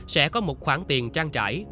sẽ có một khoản tiền trang trải